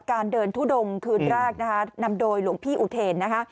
การเดินทุดงคืนรากนำโดยหลวงพี่อุเทน